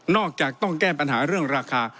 จากต้องแก้ปัญหาเรื่องราคา